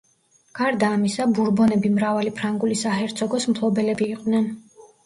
გარდა ამისა ბურბონები მრავალი ფრანგული საჰერცოგოს მფლობელები იყვნენ.